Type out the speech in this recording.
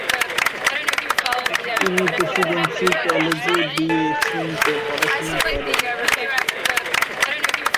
তিনি প্রেসিডেন্সি কলেজে বিএ শ্রেণীতে পড়াশোনা করেন।